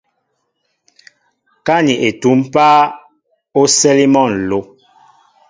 Ka ni etúm páá, o sɛli mol nló.